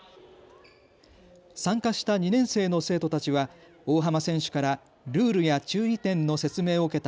参加した２年生の生徒たちは大濱選手からルールや注意点の説明を受けた